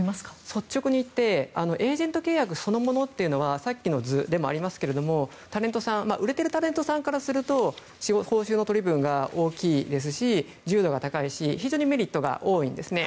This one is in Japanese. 率直に言ってエージェント契約そのものというのはさっきの図でもありますけど売れてるタレントさんからすると報酬の取り分が大きいですし自由度が高いし非常にメリットが多いんですね。